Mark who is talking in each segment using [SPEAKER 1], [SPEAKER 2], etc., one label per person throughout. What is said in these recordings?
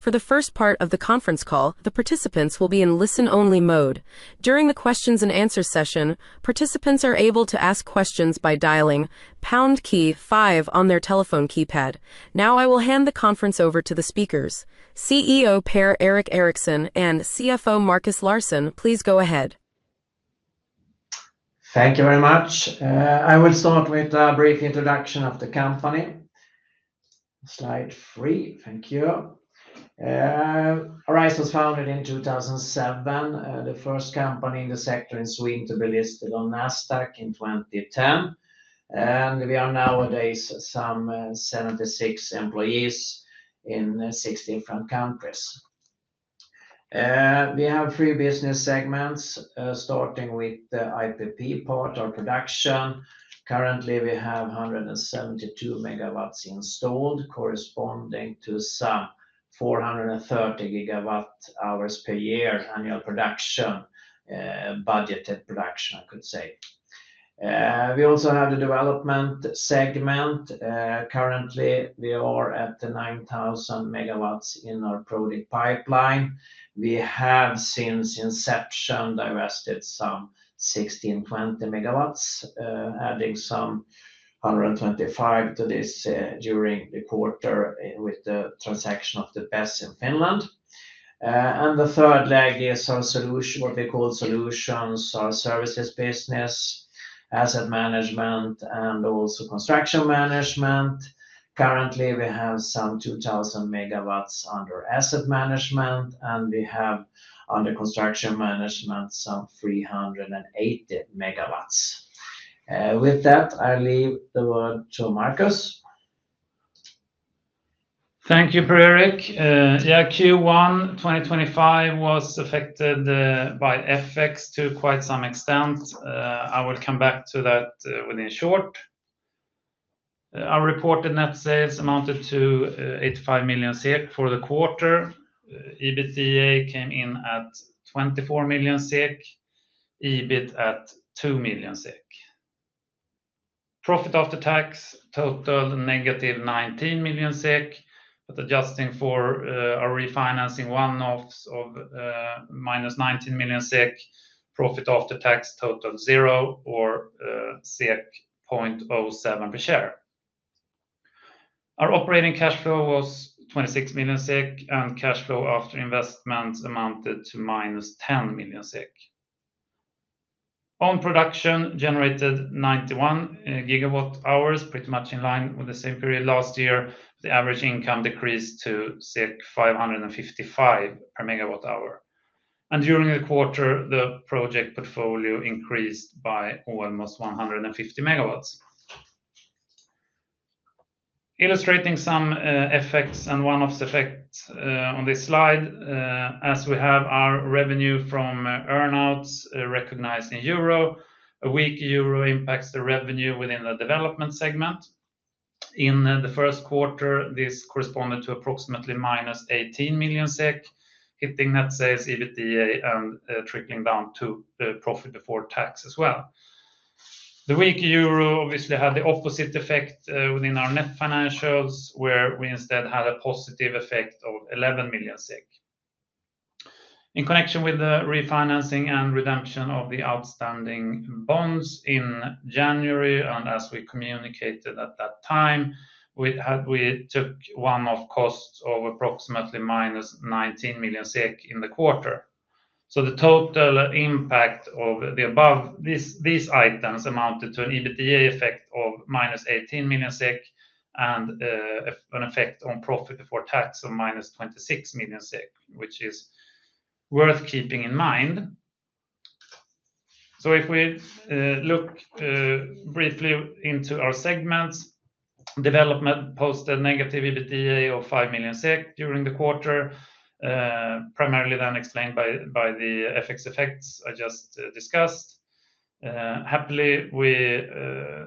[SPEAKER 1] For the first part of the Conference Call, the participants will be in listen-only mode. During the Q&A session, participants are able to ask questions by dialing #5 on their telephone keypad. Now, I will hand the conference over to the speakers: CEO Per-Erik Eriksson and CFO Markus Larsson, please go ahead.
[SPEAKER 2] Thank you very much. I will start with a brief introduction of the company. Slide 3, thank you. Arise was founded in 2007, the first company in the sector in Sweden to be listed on Nasdaq in 2010. We are nowadays some 76 employees in 16 different countries. We have three business segments, starting with the IT people, part of our production. Currently, we have 172 MW installed, corresponding to some 430 GWh per year annual production, budgeted production, I could say. We also have the development segment. Currently, we are at 9,000 MW in our product pipeline. We have, since inception, divested some 1,620 MW, adding some 125 to this during the quarter with the transaction of the BESS in Finland. The third leg is our solution, what we call solutions, our services business, asset management, and also construction management. Currently, we have some 2,000 MW under asset management, and we have under construction management some 380 MW. With that, I leave the word to Markus.
[SPEAKER 3] Thank you, Per-Erik. Yeah, Q1 2025 was affected by FX to quite some extent. I will come back to that within short. Our reported net sales amounted to 85 million SEK for the quarter. EBITDA came in at 24 million SEK, EBIT at 2 million SEK. Profit after tax total -19 million SEK, but adjusting for our refinancing one-offs of -19 million SEK, profit after tax total zero or 0.07 per share. Our operating cash flow was 26 million SEK, and cash flow after investment amounted to -10 million SEK. On production, generated 91 GWh, pretty much in line with the same period last year, the average income decreased to 555 per MWh. During the quarter, the project portfolio increased by almost 150 MW. Illustrating some effects and one-offs effect on this slide, as we have our revenue from earnouts recognized in EUR, a weak EUR impacts the revenue within the Development segment. In the first quarter, this corresponded to approximately -18 million SEK, hitting net sales, EBITDA, and trickling down to profit before tax as well. The weak euro obviously had the opposite effect within our net financials, where we instead had a positive effect of 11 million. In connection with the refinancing and redemption of the outstanding bonds in January, and as we communicated at that time, we took one-off costs of approximately -19 million SEK in the quarter. The total impact of the above these items amounted to an EBITDA effect of -18 million SEK and an effect on profit before tax of -26 million SEK, which is worth keeping in mind. If we look briefly into our segments, Development posted negative EBITDA of 5 million SEK during the quarter, primarily then explained by the FX effects I just discussed. Happily, we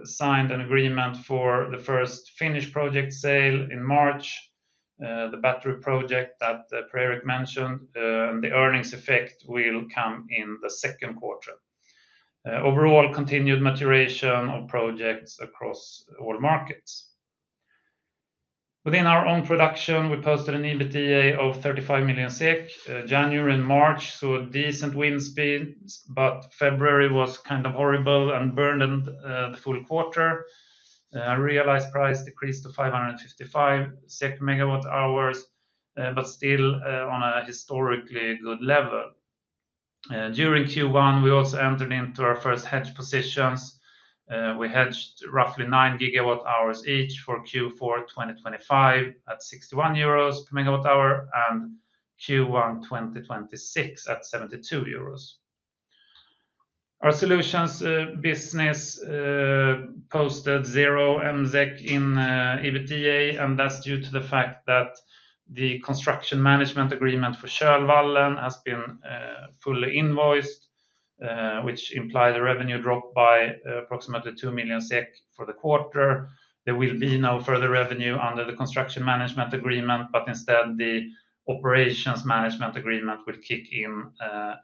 [SPEAKER 3] signed an agreement for the first Finnish project sale in March, the battery project that Per-Erik mentioned, and the earnings effect will come in the second quarter. Overall, continued maturation of projects across all markets. Within our own Production, we posted an EBITDA of 35 million SEK January and March, so decent wind speeds, but February was kind of horrible and burned the full quarter. Realized price decreased to 555 SEK per MWh, but still on a historically good level. During Q1, we also entered into our first hedge positions. We hedged roughly 9 GWh each for Q4 2025 at 61 euros MWh and Q1 2026 at 72 euros. Our Solutions business posted zero SEK in EBITDA, and that's due to the fact that the construction management agreement for Kölvallen has been fully invoiced, which implied a revenue drop by approximately 2 million SEK for the quarter. There will be no further revenue under the construction management agreement, but instead, the operations management agreement will kick in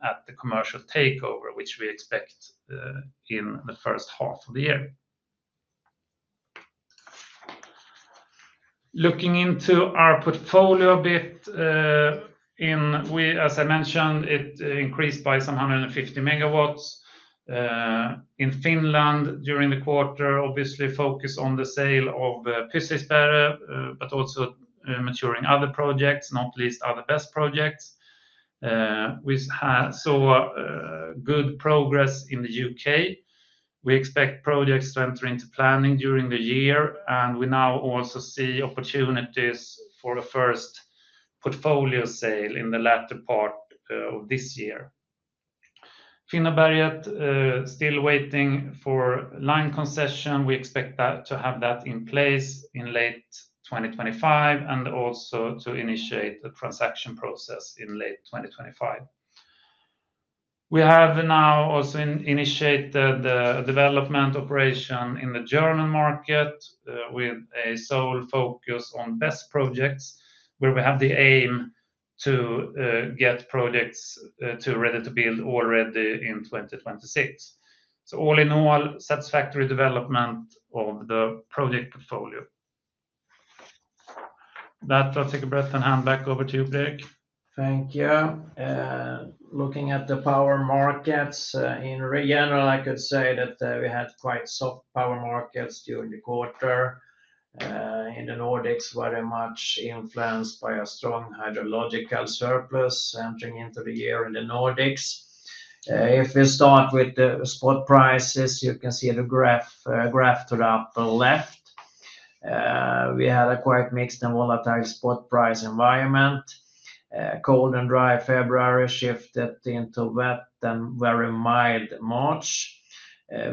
[SPEAKER 3] at the commercial takeover, which we expect in the first half of the year. Looking into our portfolio bit in, as I mentioned, it increased by some 150 MW. In Finland during the quarter, obviously focused on the sale of Pyssisperä, but also maturing other projects, not least other BESS projects. We saw good progress in the U.K. We expect projects to enter into planning during the year, and we now also see opportunities for a first portfolio sale in the latter part of this year. Finnberget, still waiting for line concession. We expect to have that in place in late 2025 and also to initiate the transaction process in late 2025. We have now also initiated the development operation in the German market with a sole focus on BESS projects, where we have the aim to get projects ready to build already in 2026. All-in-all, satisfactory development of the project portfolio. I will take a breath and hand back over to you, Per-Erik.
[SPEAKER 2] Thank you. Looking at the power markets, in general, I could say that we had quite soft power markets during the quarter. In the Nordics, very much influenced by a strong hydrological surplus entering into the year in the Nordics. If we start with the spot prices, you can see the graph to the upper left. We had a quite mixed and volatile spot price environment. Cold and dry February shifted into wet and very mild March.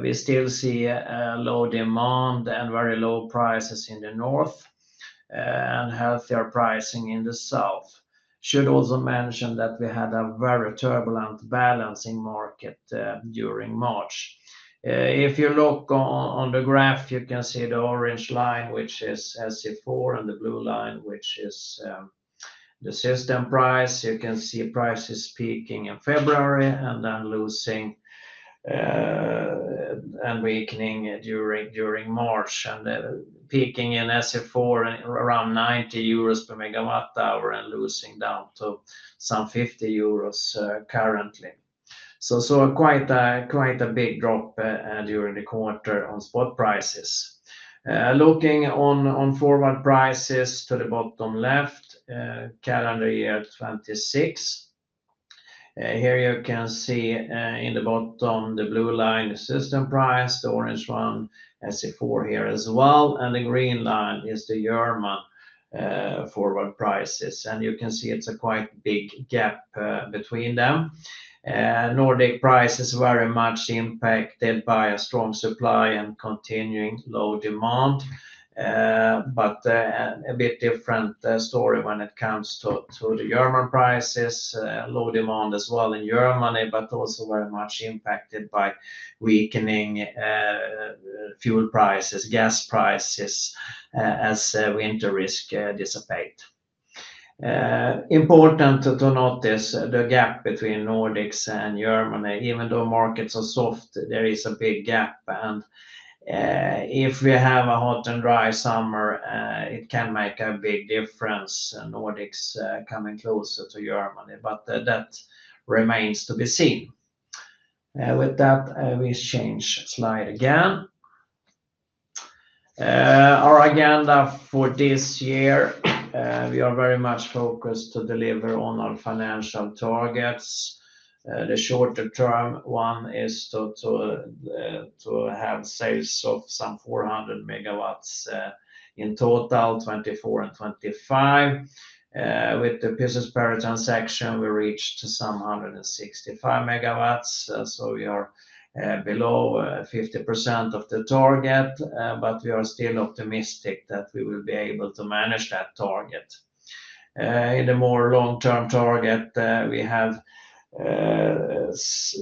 [SPEAKER 2] We still see low demand and very low prices in the north and healthier pricing in the south. Should also mention that we had a very turbulent balancing market during March. If you look on the graph, you can see the orange line, which is SE4, and the blue line, which is the system price. You can see prices peaking in February and then losing and weakening during March. Peaking in SE4 around 90 euros per MWh and losing down to some EUR 50 currently. Quite a big drop during the quarter on spot prices. Looking on forward prices to the bottom left, calendar year 2026, here you can see in the bottom the blue line is system price, the orange one SE4 here as well, and the green line is the German forward prices. You can see it is a quite big gap between them. Nordic prices are very much impacted by a strong supply and continuing low demand, but a bit different story when it comes to the German prices. Low demand as well in Germany, but also very much impacted by weakening fuel prices, gas prices as winter risk dissipates. Important to notice the gap between Nordics and Germany. Even though markets are soft, there is a big gap. If we have a hot and dry summer, it can make a big difference, Nordics coming closer to Germany, but that remains to be seen. With that, we change slide again. Our agenda for this year, we are very much focused to deliver on our financial targets. The shorter-term one is to have sales of some 400 MW in total, 2024 and 2025. With the Pyssisperä transaction, we reached some 165 MW, so we are below 50% of the target, but we are still optimistic that we will be able to manage that target. In the more long-term target,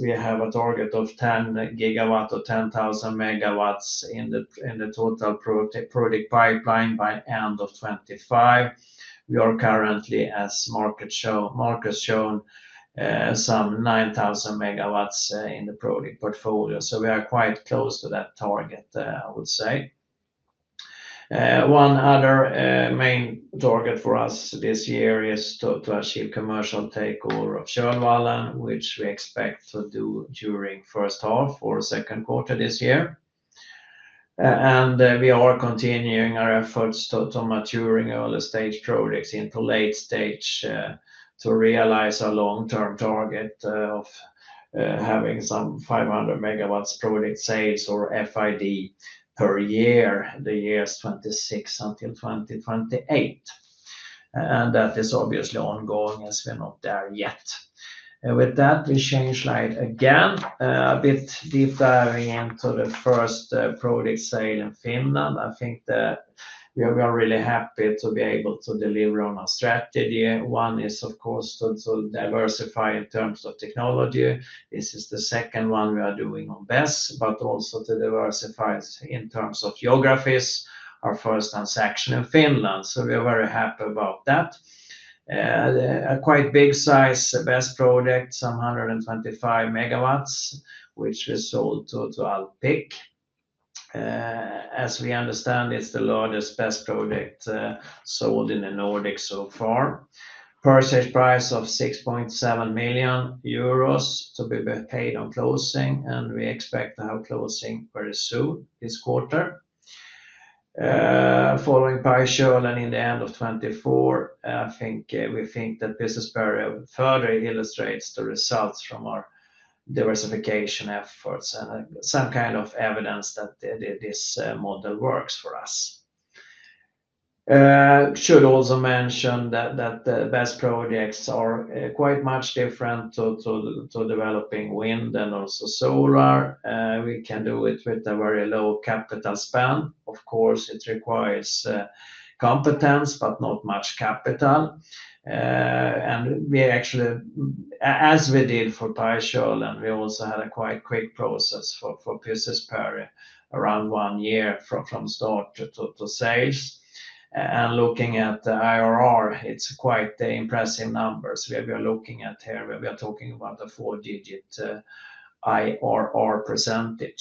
[SPEAKER 2] we have a target of 10 GW or 10,000 MW in the total product pipeline by end of 2025. We are currently, as markets show, some 9,000 MW in the product portfolio. We are quite close to that target, I would say. One other main target for us this year is to achieve commercial takeover of Kölvallen, which we expect to do during the first half or second quarter this year. We are continuing our efforts to mature early-stage projects into late-stage to realize our long-term target of having some 500 MW product sales or FID per year, the years 2026 until 2028. That is obviously ongoing as we're not there yet. With that, we change slide again, a bit deep diving into the first product sale in Finland. I think we are really happy to be able to deliver on our strategy. One is, of course, to diversify in terms of technology. This is the second one we are doing on BESS, but also to diversify in terms of geographies, our first transaction in Finland. We are very happy about that. A quite big-sized BESS project, some 125 MW, which we sold to Alpiq. As we understand, it's the largest BESS project sold in the Nordics so far. Purchase price of 6.7 million euros to be paid on closing, and we expect to have closing very soon this quarter. Following Pyssisperä in the end of 2024, I think we think that Pyssisperä further illustrates the results from our diversification efforts and some kind of evidence that this model works for us. Should also mention that the BESS projects are quite much different to developing wind and also solar. We can do it with a very low capital spend. Of course, it requires competence, but not much capital. Actually, as we did for Pyssisperä, we also had a quite quick process for Pyssisperä, around one year from start to sales. Looking at the IRR, it's quite impressive numbers. We are looking at here, we are talking about a four-digit IRR %.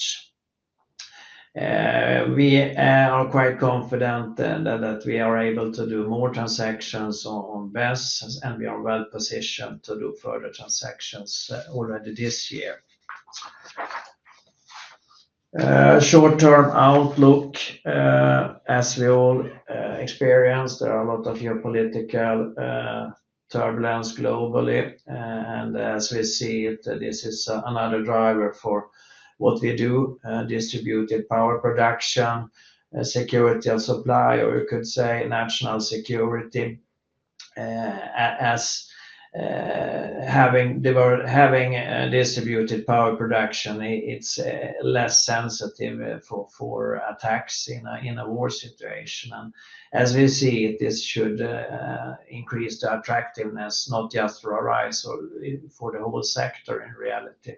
[SPEAKER 2] We are quite confident that we are able to do more transactions on BESS, and we are well positioned to do further transactions already this year. Short-term outlook, as we all experience, there are a lot of geopolitical turbulence globally. As we see it, this is another driver for what we do, distributed power production, security of supply, or you could say national security. Having distributed power production, it is less sensitive for attacks in a war situation. As we see it, this should increase the attractiveness, not just for Arise or for the whole sector in reality.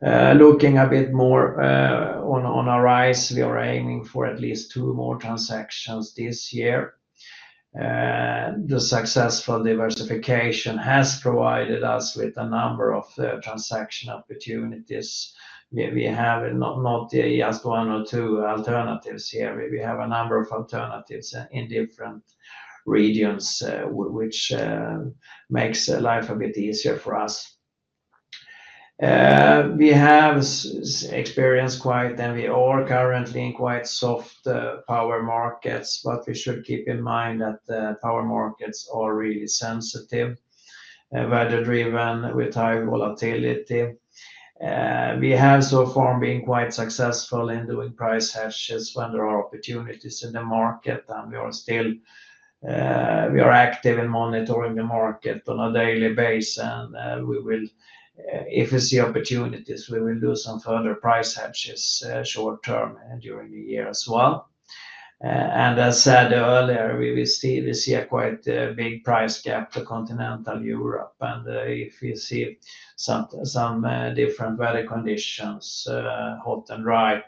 [SPEAKER 2] Looking a bit more on Arise, we are aiming for at least two more transactions this year. The successful diversification has provided us with a number of transaction opportunities. We have not just one or two alternatives here. We have a number of alternatives in different regions, which makes life a bit easier for us. We have experienced quite, and we are currently in quite soft power markets, but we should keep in mind that power markets are really sensitive, weather-driven with high volatility. We have so far been quite successful in doing price hedges when there are opportunities in the market, and we are still, we are active in monitoring the market on a daily basis. If we see opportunities, we will do some further price hedges short-term and during the year as well. As said earlier, we see a quite big price gap to continental Europe. If we see some different weather conditions, hot and dry,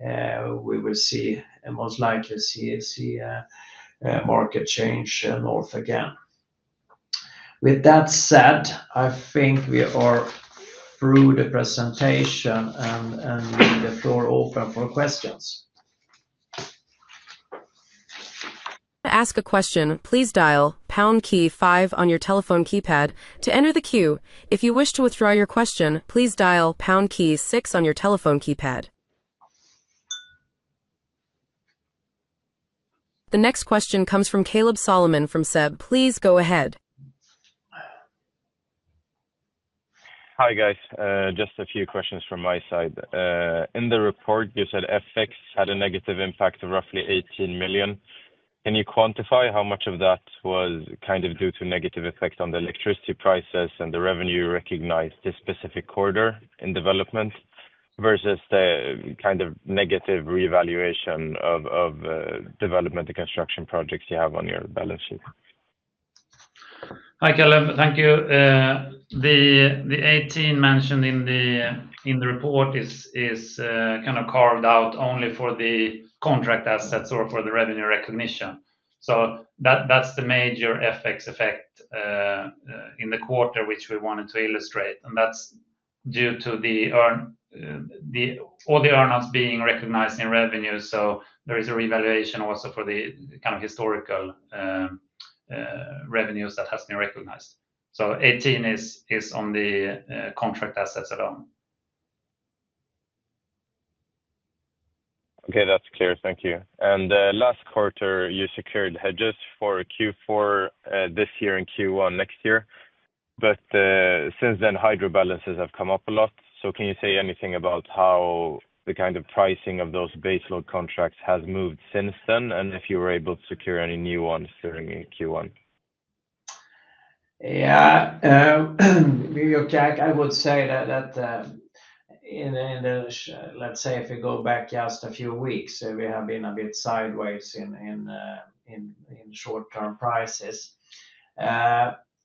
[SPEAKER 2] we will most likely see market change north again. With that said, I think we are through the presentation and leave the floor open for questions.
[SPEAKER 1] To ask a question, please dial pound key five on your telephone keypad to enter the queue. If you wish to withdraw your question, please dial pound key six on your telephone keypad. The next question comes from Kaleb Solomon from SEB. Please go ahead.
[SPEAKER 4] Hi guys. Just a few questions from my side. In the report, you said FX had a negative impact of roughly 18 million. Can you quantify how much of that was kind of due to negative effect on the electricity prices and the revenue recognized this specific quarter in Development versus the kind of negative reevaluation of Development and Construction projects you have on your balance sheet?
[SPEAKER 2] Hi Kaleb, thank you. The 18 mentioned in the report is kind of carved out only for the contract assets or for the revenue recognition. That is the major FX effect in the quarter which we wanted to illustrate. That is due to all the earnings being recognized in revenue. There is a reevaluation also for the kind of historical revenues that have been recognized. 18 is on the contract assets alone.
[SPEAKER 4] Okay, that's clear. Thank you. Last quarter, you secured hedges for Q4 this year and Q1 next year. Since then, Hydro balances have come up a lot. Can you say anything about how the kind of pricing of those baseload contracts has moved since then and if you were able to secure any new ones during Q1?
[SPEAKER 2] Yeah. I would say that in the, let's say if we go back just a few weeks, we have been a bit sideways in short-term prices.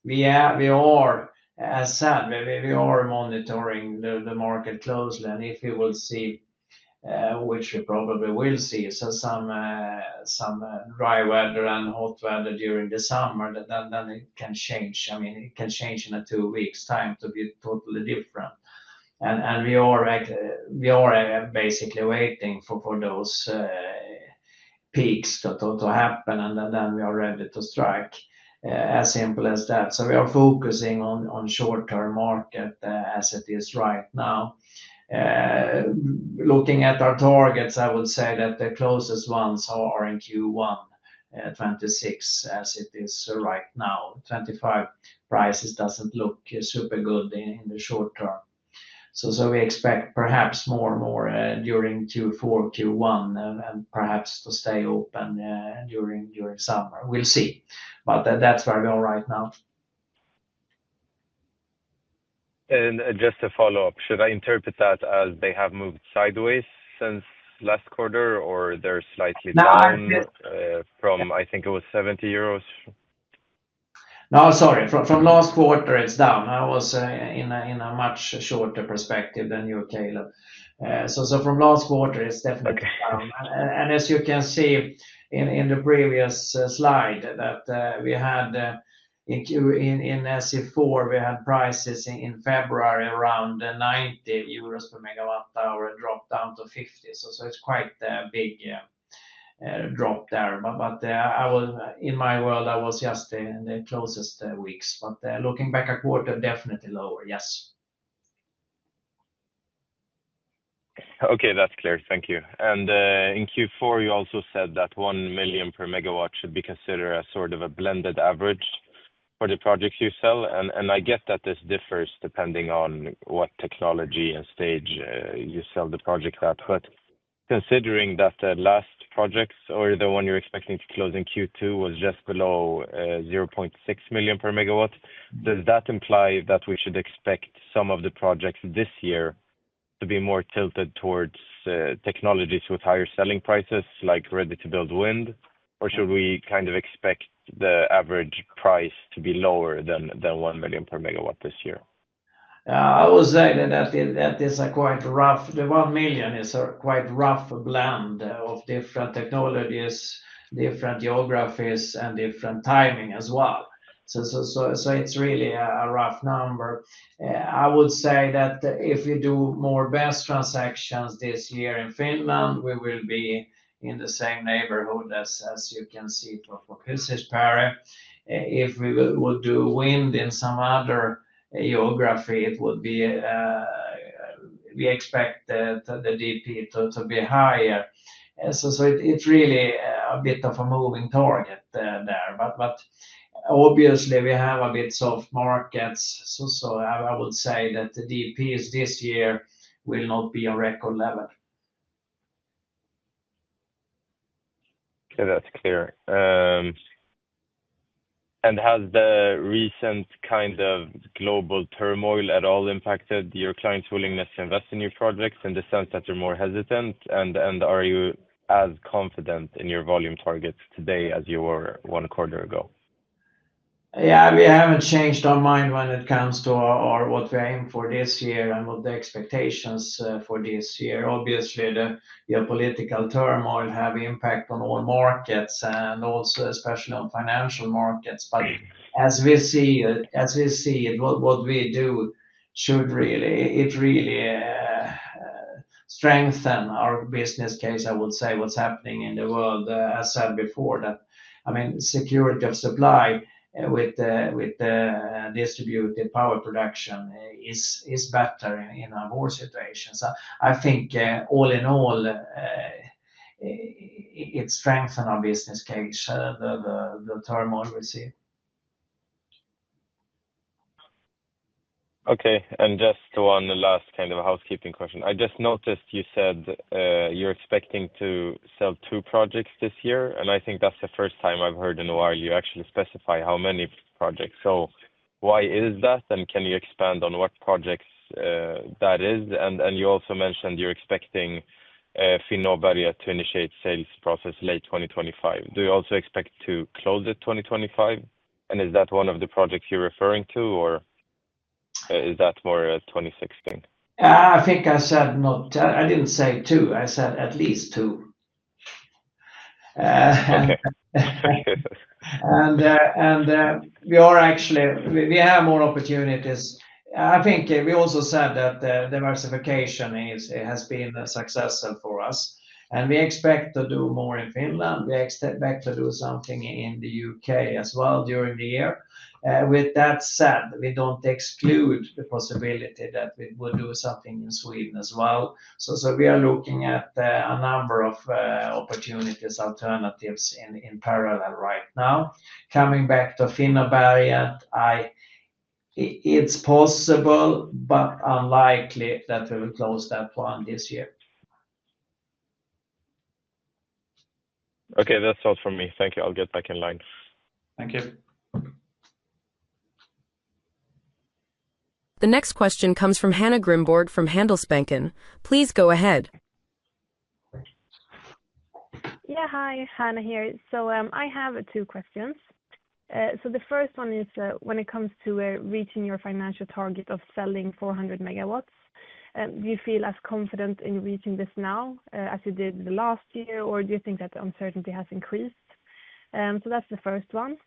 [SPEAKER 2] We are, as said, we are monitoring the market closely. If we will see, which we probably will see, some dry weather and hot weather during the summer, it can change. I mean, it can change in a two-week time to be totally different. We are basically waiting for those peaks to happen, and we are ready to strike, as simple as that. We are focusing on short-term market as it is right now. Looking at our targets, I would say that the closest ones are in Q1 2026 as it is right now. 2025 prices do not look super good in the short term. We expect perhaps more and more during Q4, Q1, and perhaps to stay open during summer. We'll see. That is where we are right now.
[SPEAKER 4] Just to follow up, should I interpret that as they have moved sideways since last quarter, or they're slightly down from, I think it was 70 euros?
[SPEAKER 2] No, sorry. From last quarter, it's down. I was in a much shorter perspective than you, Kaleb. From last quarter, it's definitely down. As you can see in the previous slide, in SE4, we had prices in February around 90 euros per MWh, dropped down to 50. It's quite a big drop there. In my world, I was just in the closest weeks. Looking back a quarter, definitely lower, yes.
[SPEAKER 4] Okay, that's clear. Thank you. In Q4, you also said that 1 million per MW should be considered a sort of a blended average for the projects you sell. I get that this differs depending on what technology and stage you sell the project at. Considering that the last projects, or the one you're expecting to close in Q2, was just below 0.6 million per MW, does that imply that we should expect some of the projects this year to be more tilted towards technologies with higher selling prices, like ready-to-build wind? Should we kind of expect the average price to be lower than 1 million per MW this year?
[SPEAKER 2] I would say that it is quite rough, the 1 million is a quite rough blend of different technologies, different geographies, and different timing as well. It is really a rough number. I would say that if we do more BESS transactions this year in Finland, we will be in the same neighborhood as you can see for Pyssisperä. If we would do wind in some other geography, we expect the DP to be higher. It is really a bit of a moving target there. Obviously, we have a bit soft markets. I would say that the DPs this year will not be on record level.
[SPEAKER 4] That's clear. Has the recent kind of global turmoil at all impacted your clients' willingness to invest in your projects in the sense that they're more hesitant? Are you as confident in your volume targets today as you were one quarter ago?
[SPEAKER 2] Yeah, we haven't changed our mind when it comes to what we aim for this year and what the expectations for this year. Obviously, the geopolitical turmoil has an impact on all markets and also especially on financial markets. As we see it, what we do should really, it really strengthens our business case, I would say, what's happening in the world. As I said before, I mean, security of supply with the distributed power production is better in our war situation. I think all in all, it strengthens our business case, the turmoil we see.
[SPEAKER 4] Okay. Just one last kind of housekeeping question. I just noticed you said you're expecting to sell two projects this year. I think that's the first time I've heard in a while you actually specify how many projects. Why is that? Can you expand on what projects that is? You also mentioned you're expecting Finnberget to initiate sales process late 2025. Do you also expect to close it 2025? Is that one of the projects you're referring to, or is that more a 2026?
[SPEAKER 2] I think I said not, I did not say two. I said at least two. Actually, we have more opportunities. I think we also said that diversification has been successful for us. We expect to do more in Finland. We expect to do something in the U.K. as well during the year. With that said, we do not exclude the possibility that we would do something in Sweden as well. We are looking at a number of opportunities, alternatives in parallel right now. Coming back to Finnberget, it is possible, but unlikely that we will close that one this year.
[SPEAKER 4] Okay, that's all from me. Thank you. I'll get back in line.
[SPEAKER 2] Thank you.
[SPEAKER 1] The next question comes from Hannah Grimborg from Handelsbanken. Please go ahead.
[SPEAKER 5] Yeah, hi, Hanna here. I have two questions. The first one is when it comes to reaching your financial target of selling 400 MW, do you feel as confident in reaching this now as you did last year, or do you think that the uncertainty has increased? That is the first one.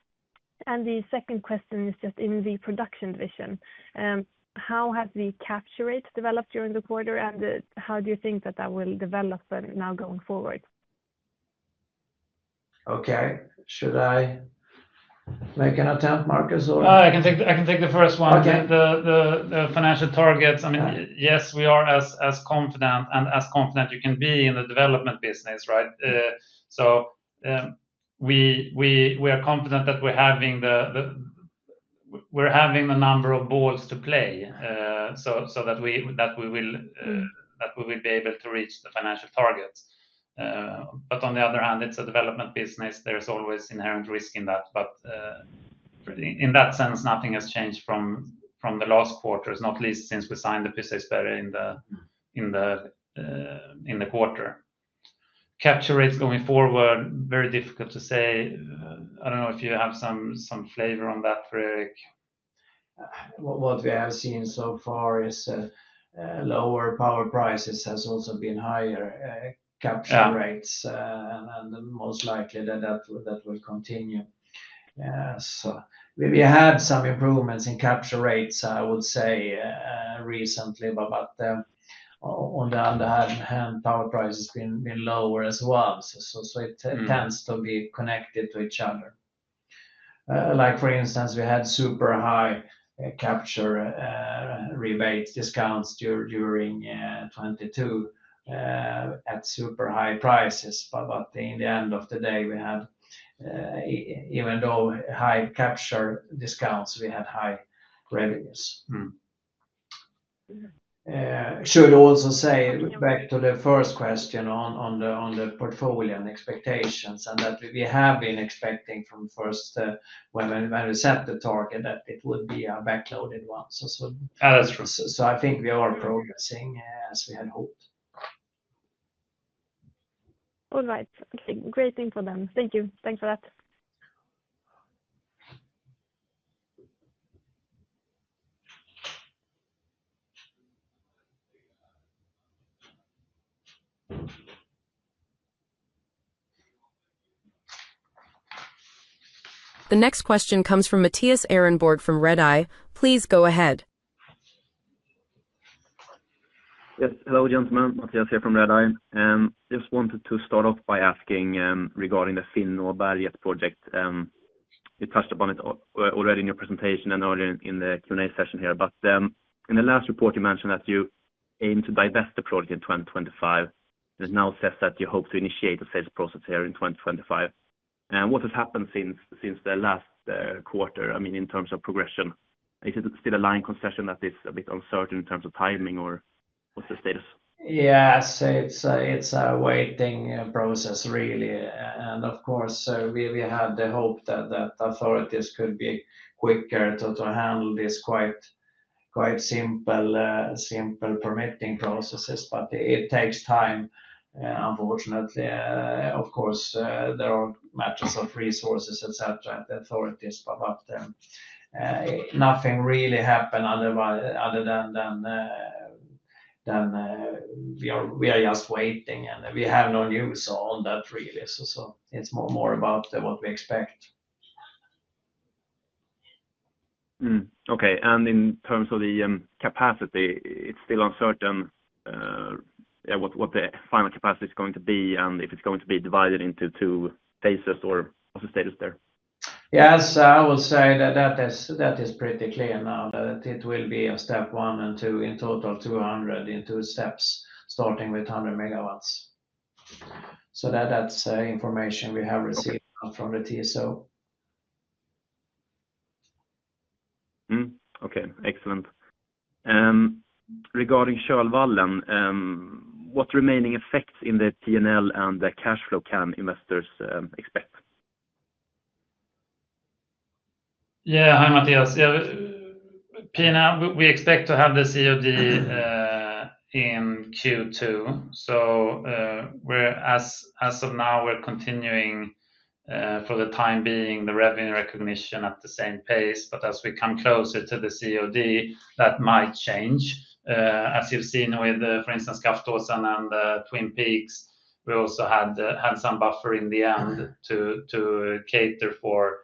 [SPEAKER 5] The second question is just in the production division. How has the capture rate developed during the quarter, and how do you think that will develop now going forward?
[SPEAKER 2] Okay. Should I make an attempt, Markus, or?
[SPEAKER 3] I can take the first one. The financial targets, I mean, yes, we are as confident and as confident you can be in the development business, right? We are confident that we're having the number of balls to play so that we will be able to reach the financial targets. On the other hand, it's a development business. There's always inherent risk in that. In that sense, nothing has changed from the last quarter, not least since we signed the Pyssisperä in the quarter. Capture rates going forward, very difficult to say. I don't know if you have some flavor on that, Frederik.
[SPEAKER 2] What we have seen so far is lower power prices have also been higher, capture rates, and most likely that will continue. We had some improvements in capture rates, I would say, recently. On the other hand, power prices have been lower as well. It tends to be connected to each other. Like for instance, we had super high capture rebate discounts during 2022 at super high prices. In the end of the day, even though we had high capture discounts, we had high revenues. I should also say back to the first question on the portfolio and expectations, we have been expecting from first when we set the target that it would be a backloaded one. I think we are progressing as we had hoped.
[SPEAKER 5] All right. Okay. Great thing for them. Thank you. Thanks for that.
[SPEAKER 1] The next question comes from Mattias Ehrenborg from Redeye. Please go ahead.
[SPEAKER 6] Yes. Hello, gentlemen. Mattias here from Redeye. Just wanted to start off by asking regarding the Finnberget project. You touched upon it already in your presentation and earlier in the Q&A session here. In the last report, you mentioned that you aim to divest the project in 2025. Now it says that you hope to initiate the sales process here in 2025. What has happened since the last quarter, I mean, in terms of progression? Is it still a line concession that is a bit uncertain in terms of timing, or what is the status?
[SPEAKER 2] Yeah, it's a waiting process, really. Of course, we had the hope that authorities could be quicker to handle these quite simple permitting processes. It takes time, unfortunately. Of course, there are matters of resources, etc., and the authorities pop up there. Nothing really happened other than we are just waiting, and we have no news on that, really. It is more about what we expect.
[SPEAKER 6] Okay. In terms of the capacity, it's still uncertain what the final capacity is going to be and if it's going to be divided into two phases or what's the status there?
[SPEAKER 2] Yes, I will say that that is pretty clear now that it will be a step one and two in total, 200 in two steps, starting with 100 MW. That is information we have received from the TSO.
[SPEAKER 6] Okay. Excellent. Regarding Kölvallen, what remaining effects in the P&L and the cash flow can investors expect?
[SPEAKER 3] Yeah, hi Mattias. We expect to have the COD in Q2. As of now, we're continuing for the time being the revenue recognition at the same pace. As we come closer to the COD, that might change. As you've seen with, for instance, Skaftåsen and Twin Peaks, we also had some buffer in the end to cater for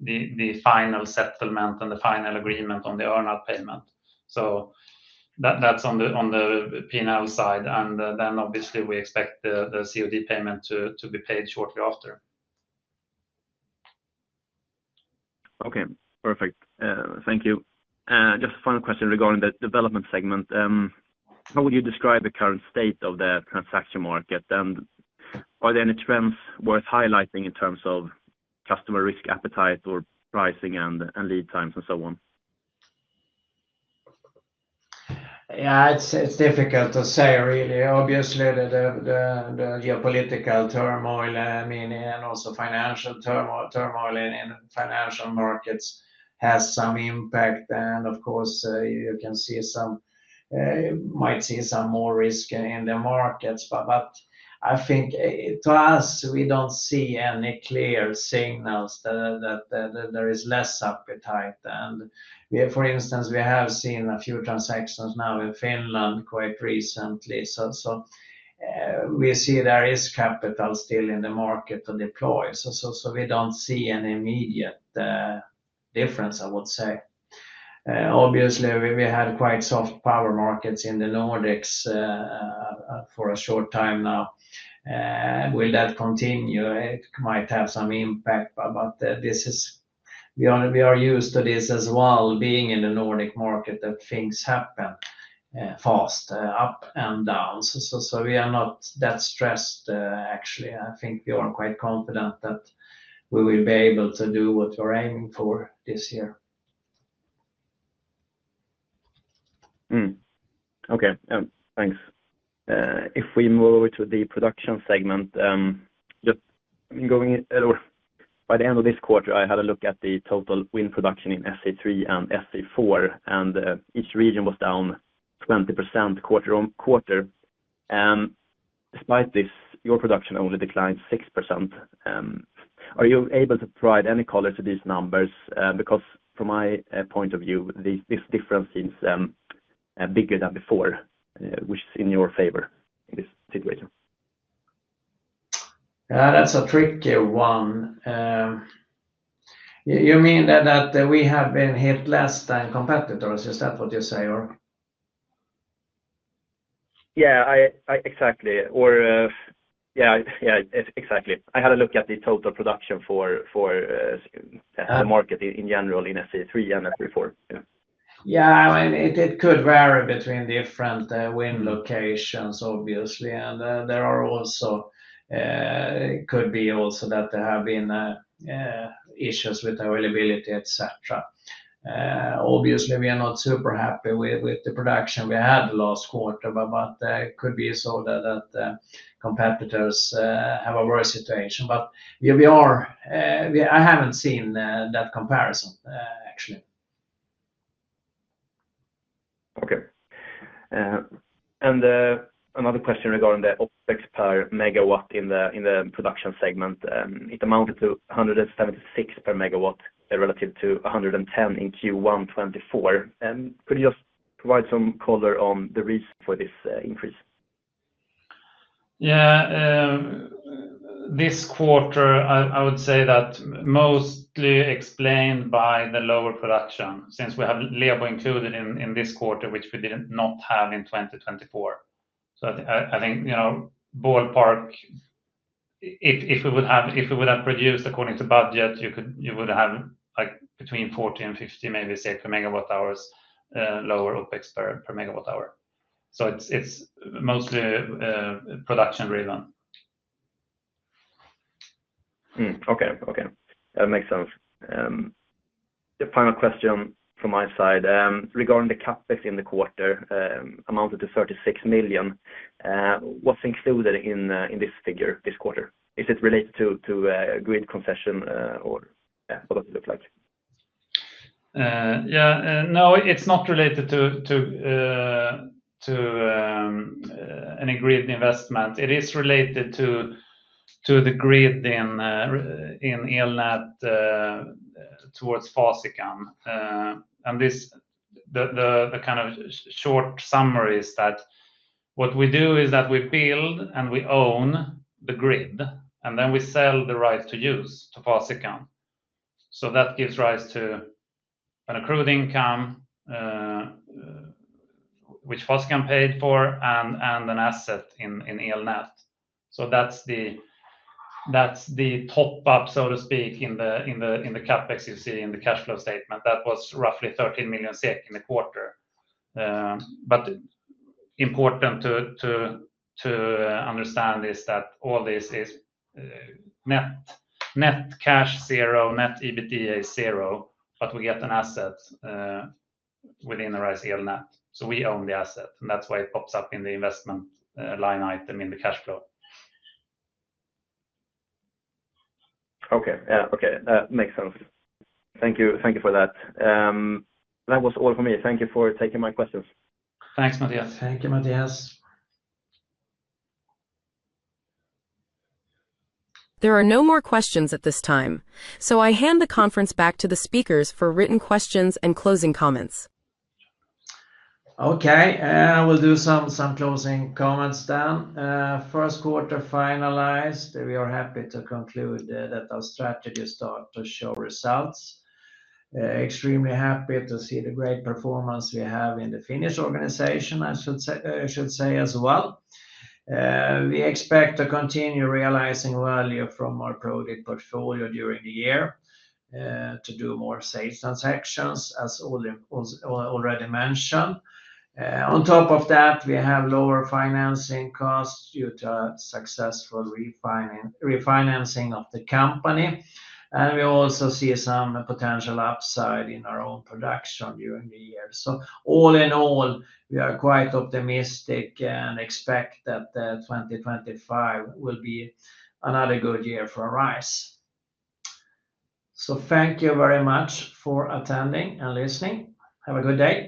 [SPEAKER 3] the final settlement and the final agreement on the earn-out payment. That's on the P&L side. Obviously, we expect the COD payment to be paid shortly after.
[SPEAKER 6] Okay. Perfect. Thank you. Just a final question regarding the Development segment. How would you describe the current state of the transaction market? Are there any trends worth highlighting in terms of customer risk appetite or pricing and lead times and so on?
[SPEAKER 2] Yeah, it's difficult to say, really. Obviously, the geopolitical turmoil, I mean, and also financial turmoil in financial markets has some impact. Of course, you can see some, might see some more risk in the markets. I think to us, we don't see any clear signals that there is less appetite. For instance, we have seen a few transactions now in Finland quite recently. We see there is capital still in the market to deploy. We don't see an immediate difference, I would say. Obviously, we had quite soft power markets in the Nordics for a short time now. Will that continue? It might have some impact. We are used to this as well, being in the Nordic market that things happen fast, up and down. We are not that stressed, actually. I think we are quite confident that we will be able to do what we're aiming for this year.
[SPEAKER 6] Okay. Thanks. If we move over to the production segment, just going by the end of this quarter, I had a look at the total wind production in SE3 and SE4, and each region was down 20% quarter-on-quarter. Despite this, your production only declined 6%. Are you able to provide any color to these numbers? Because from my point of view, this difference seems bigger than before. Which is in your favor in this situation?
[SPEAKER 2] That's a tricky one. You mean that we have been hit less than competitors? Is that what you say, or?
[SPEAKER 6] Yeah, exactly. I had a look at the total production for the market in general in SE3 and SE4.
[SPEAKER 2] Yeah, it could vary between different wind locations, obviously. There also could be that there have been issues with availability, etc. Obviously, we are not super happy with the production we had last quarter. It could be so that competitors have a worse situation. I haven't seen that comparison, actually.
[SPEAKER 6] Okay. Another question regarding the opex per MW in the Production segment. It amounted to 176 MW relative to 110 in Q1 2024. Could you just provide some color on the reason for this increase?
[SPEAKER 3] Yeah. This quarter, I would say that mostly explained by the lower production, since we have labor included in this quarter, which we did not have in 2024. I think ballpark, if we would have produced according to budget, you would have between 40 and 50 MWh, lower opex per MWh. It is mostly production-driven.
[SPEAKER 6] Okay. Okay. That makes sense. The final question from my side regarding the CapEx in the quarter amounted to 36 million. What's included in this figure this quarter? Is it related to grid concession, or what does it look like?
[SPEAKER 3] Yeah. No, it's not related to any grid investment. It is related to the grid in ELNET towards Fosican. The kind of short summary is that what we do is that we build and we own the grid, and then we sell the right to use to Fosican. That gives rise to an accrued income, which Fosican paid for, and an asset in ELNET. That's the top-up, so to speak, in the CapEx you see in the cash flow statement. That was roughly 13 million SEK in the quarter. Important to understand is that all this is net cash zero, net EBITDA zero, but we get an asset within the Arise ELNET. We own the asset. That's why it pops up in the investment line item in the cash flow.
[SPEAKER 6] Okay. Yeah. Okay. That makes sense. Thank you for that. That was all for me. Thank you for taking my questions. Thanks, Mattias.
[SPEAKER 2] Thank you, Mattias.
[SPEAKER 1] There are no more questions at this time. I hand the conference back to the speakers for written questions and closing comments.
[SPEAKER 2] Okay. I will do some closing comments then. First quarter finalized. We are happy to conclude that our strategy start to show results. Extremely happy to see the great performance we have in the Finnish organization, I should say as well. We expect to continue realizing value from our project portfolio during the year to do more sales transactions, as already mentioned. On top of that, we have lower financing costs due to successful refinancing of the company. We also see some potential upside in our own production during the year. All in all, we are quite optimistic and expect that 2025 will be another good year for Arise. Thank you very much for attending and listening. Have a good day.